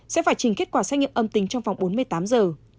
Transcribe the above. sẽ phải trình kết quả xét nghiệm âm tính trong vòng bốn mươi tám giờ